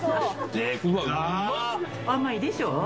・甘いでしょ？